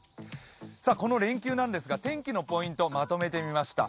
この連休なんですが、天気のポイントまとめてみました。